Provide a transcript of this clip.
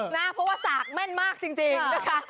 เพราะว่าสากแม่นมากจริงนะคะ